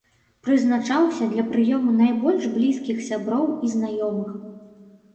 Прызначаўся для прыёму найбольш блізкіх сяброў і знаёмых.